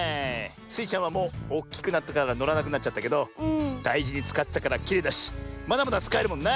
スイちゃんはもうおっきくなったからのらなくなっちゃったけどだいじにつかってたからきれいだしまだまだつかえるもんな。